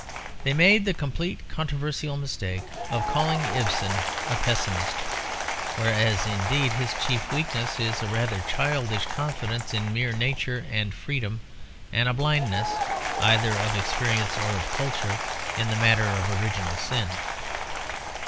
They made the complete controversial mistake of calling Ibsen a pessimist; whereas, indeed, his chief weakness is a rather childish confidence in mere nature and freedom, and a blindness (either of experience or of culture) in the matter of original sin.